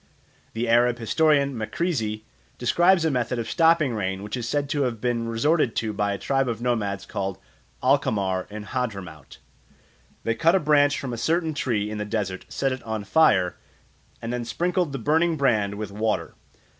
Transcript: The Arab historian Makrizi describes a method of stopping rain which is said to have been resorted to by a tribe of nomads called Alqamar in Hadramaut. They cut a branch from a certain tree in the desert, set it on fire, and then sprinkled the burning brand with water.